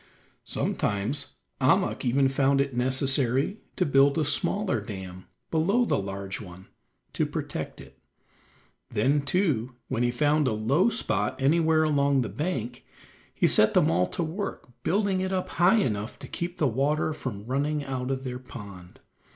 Sometimes Ahmuk even found it necessary to build a smaller dam below the large one to protect it. Then, too, when he found a low spot anywhere along the bank, he set them all to work building it up high enough to keep the water from running out of their pond.